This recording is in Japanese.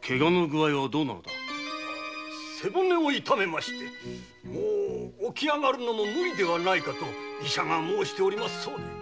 背骨を痛めましてもう起き上がるのも無理ではないかと医者が申しておりますそうで。